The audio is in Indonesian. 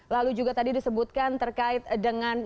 lalu juga tadi disebutkan terkait dengan